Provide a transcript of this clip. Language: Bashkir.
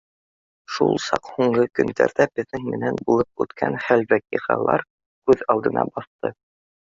Шул саҡ һуңғы көндәрҙә беҙҙең менән булып үткән хәл-ваҡиғалар күҙ алдына баҫты.